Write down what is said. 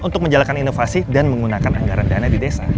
untuk menjalankan inovasi dan menggunakan anggaran dana di desa